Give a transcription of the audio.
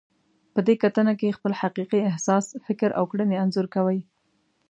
په دې کتنه کې خپل حقیقي احساس، فکر او کړنې انځور کوئ.